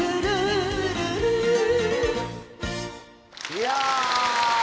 いや。